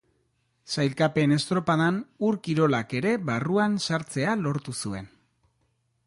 Sailkapen estropadan Ur-Kirolak ere barruan sartzea lortu zuen.